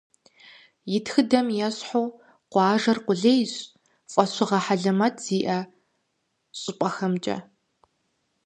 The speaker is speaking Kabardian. И тхыдэм ещхьу, къуажэр къулейщ фӏэщыгъэ хьэлэмэт зиӏэ щӏыпӏэхэмкӏэ.